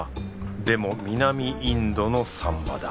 でも南インドのサンマだ。